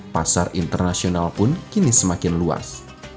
pasar internasional pun kini semakin luas